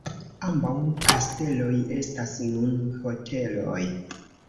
Ambaŭ kasteloj estas nun hoteloj.